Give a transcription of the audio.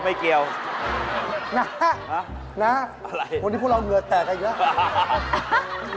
นะนะอะไรนะพวกนี้พวกเรายืนเหนือแตอร์อะไรปะ